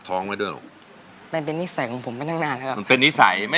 ก็คือเป็นท่าอ๋อเป็นท่า